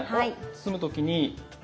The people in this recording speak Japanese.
包む時に。